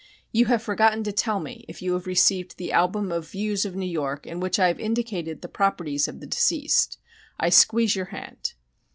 You have forgotten to tell me if you have received the album of views of New York in which I have indicated the properties of the deceased, I squeeze your hand."